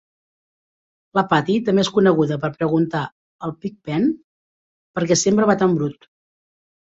La Patty també és coneguda per preguntar al Pig-Pen per què sempre va tan brut.